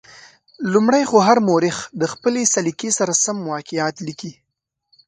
لومړی خو هر مورخ د خپلې سلیقې سره سم واقعات لیکلي.